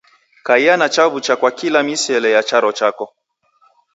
Kaia na chaw'ucha kwa kila misele ya charo chako.